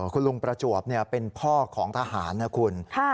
คุณลุงประจวบเป็นพ่อของทหารนะคุณ